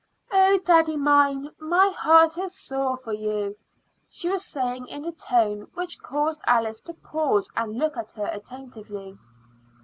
"Oh, daddy mine, my heart is sore for you," she was saying in a tone which caused Alice to pause and look at her attentively.